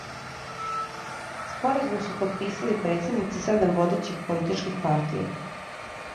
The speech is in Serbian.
Споразум су потписали председници седам водећих политичких партија.